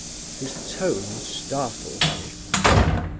"His tone startled me.